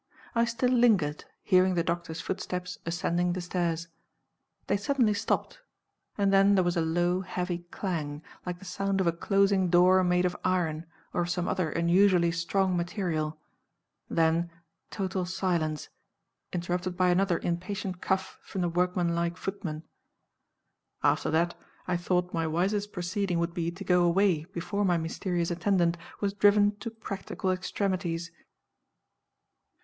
I still lingered, hearing the doctor's footsteps ascending the stairs. They suddenly stopped; and then there was a low heavy clang, like the sound of a closing door made of iron, or of some other unusually strong material; then total silence, interrupted by another impatient cough from the workman like footman. After that, I thought my wisest proceeding would be to go away before my mysterious attendant was driven to practical extremities.